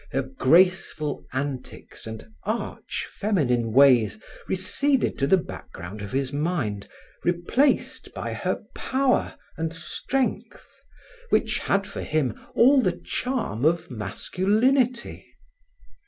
Her graceful antics and arch feminine ways receded to the background of his mind, replaced by her power and strength which had for him all the charm of masculinity.